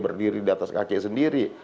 berdiri diatas kaki sendiri